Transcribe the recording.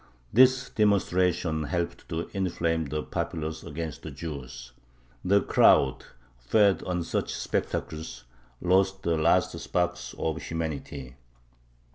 This demonstration helped to inflame the populace against the Jews. The crowd, fed on such spectacles, lost the last sparks of humanity.